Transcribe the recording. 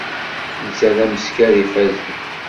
Netta d ameskar ifazen.